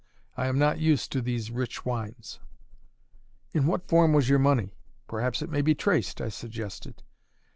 I am not used to these rich wines." "In what form was your money? Perhaps it may be traced," I suggested.